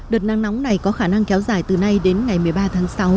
đợt nắng nóng này có khả năng kéo dài từ nay đến ngày một mươi ba tháng sáu